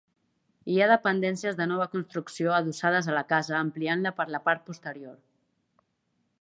Hi ha dependències de nova construcció adossades a la casa, ampliant-la per la part posterior.